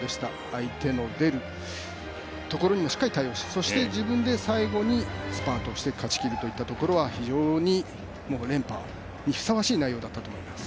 相手の出るところにもしっかりと対応をしてそして自分で最後にスパートして勝ちきるというところは非常に連覇にふさわしい内容だったと思います。